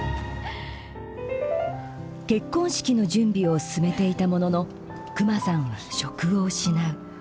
結婚式の準備を進めていたもののクマさんは職を失う。